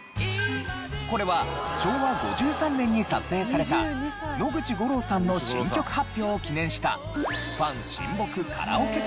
これは昭和５３年に撮影された野口五郎さんの新曲発表を記念した。